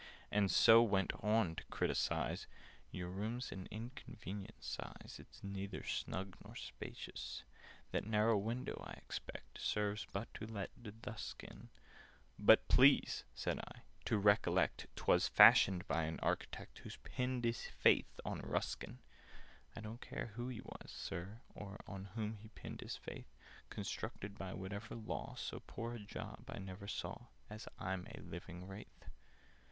And so went on to criticise— "Your room's an inconvenient size: It's neither snug nor spacious. "That narrow window, I expect, Serves but to let the dusk in—" "But please," said I, "to recollect 'Twas fashioned by an architect Who pinned his faith on Ruskin!" "I don't care who he was, Sir, or On whom he pinned his faith! Constructed by whatever law, So poor a job I never saw, As I'm a living Wraith!